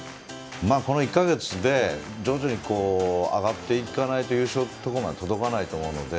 この１か月で徐々に上がっていかないと優勝まで届かないと思うので。